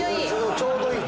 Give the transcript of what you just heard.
ちょうどいい。